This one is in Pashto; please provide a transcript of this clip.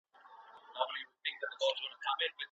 ولي هڅاند سړی د لایق کس په پرتله لاره اسانه کوي؟